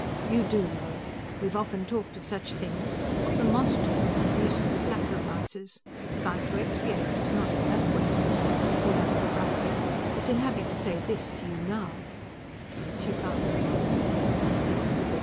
"You do know! We've often talked of such things: of the monstrousness of useless sacrifices. If I'm to expiate, it's not in that way." He added abruptly: "It's in having to say this to you now..." She found no answer.